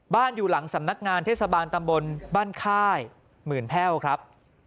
อยู่หลังสำนักงานเทศบาลตำบลบ้านค่ายหมื่นแพ่วครับ